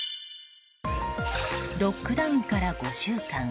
ロックダウンから５週間。